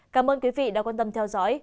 cảm ơn quý vị đã quan tâm theo dõi